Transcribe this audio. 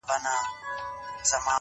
زحمت د باور ثبوت دی